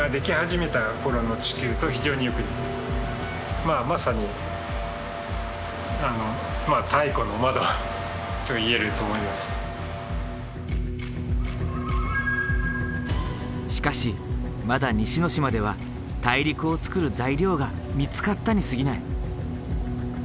まあまさにしかしまだ西之島では大陸をつくる材料が見つかったにすぎない。